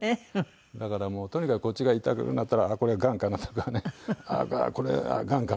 だからもうとにかくこっちが痛くなったらこれはがんかなとかねこれがんかなとか。